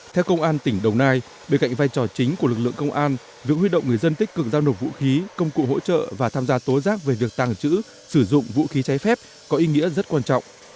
theo công an tỉnh đồng nai bên cạnh vai trò chính của lực lượng công an việc huy động người dân tích cực giao nộp vũ khí công cụ hỗ trợ và tham gia tố giác về việc tàng trữ sử dụng vũ khí cháy phép có ý nghĩa rất quan trọng